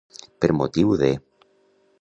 Per motiu de.